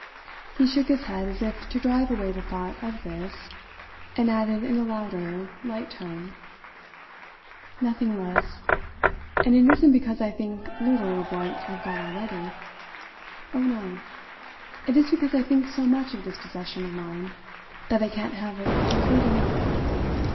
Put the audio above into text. He shook his head as if to drive away the thought of this, and added in a louder, light tone: "Nothing less. And it isn't because I think little of what I've got already. Oh, no! It is because I think so much of this possession of mine that I can't have it complete enough.